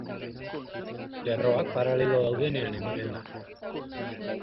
Lerroak paralelo daudenean ematen da.